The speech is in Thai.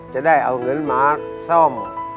จะได้เอาเงินมาซ่อม